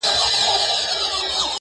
زه د جانان میني پخوا وژلې ومه-